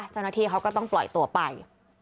เจ้าหน้าที่เขาก็ต้องปล่อยตัวไป